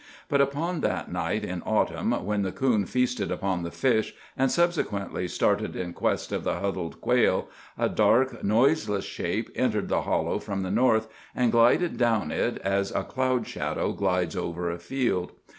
But upon that night in autumn when the coon feasted upon the fish, and subsequently started in quest of the huddled quail, a dark, noiseless shape entered the hollow from the north, and glided down it as a cloud shadow glides over a field.